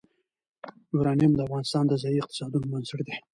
یورانیم د افغانستان د ځایي اقتصادونو بنسټ دی.